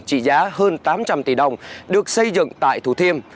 trị giá hơn tám trăm linh tỷ đồng được xây dựng tại thủ thiêm